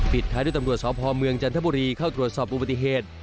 ผิดคล้ายด้วยตำรวจสอบภจันทบุรีเข้ากรดสอบบุธิเหตุ